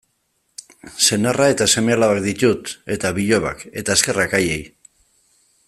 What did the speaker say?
Senarra eta seme-alabak ditut, eta bilobak, eta eskerrak haiei.